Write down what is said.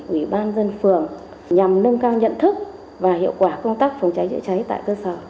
ủy ban dân phường nhằm nâng cao nhận thức và hiệu quả công tác phòng cháy chữa cháy tại cơ sở